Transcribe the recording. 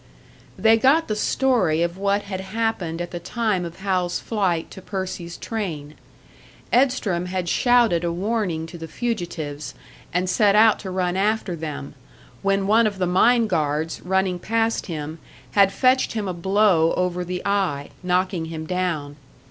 They got the story of what had happened at the time of Hal's flight to Percy's train. Edstrom had shouted a warning to the fugitives, and set out to run after them; when one of the mine guards, running past him, had fetched him a blow over the eye, knocking him down.